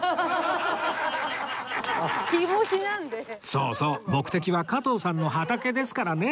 そうそう目的は加藤さんの畑ですからね